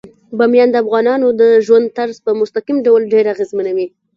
بامیان د افغانانو د ژوند طرز په مستقیم ډول ډیر اغېزمنوي.